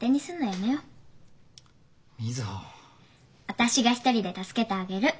私が一人で助けてあげる。